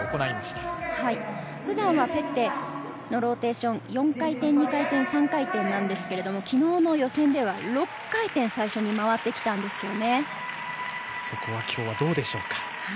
普段はフェッテのローテーション、４回転、２回転、３回転ですが、昨日の予選では６回転、最初に回今日はどうでしょうか。